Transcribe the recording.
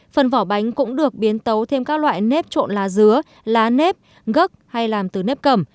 phần vỏ bánh cũng được biến tấu thêm các loại nếp trộn lá dứa lá nếp gấc hay làm từ nếp cầm